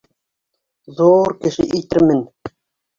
Ҙур кеше итермен!